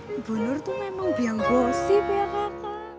ibu nur tuh memang biang gosip ya pak